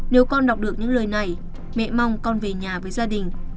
nếu con đọc được những lời này mẹ mong con về nhà với gia đình